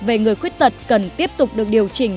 về người khuyết tật cần tiếp tục được điều chỉnh